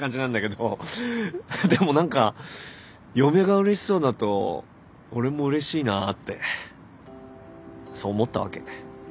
でも何か嫁がうれしそうだと俺もうれしいなぁってそう思ったわけ。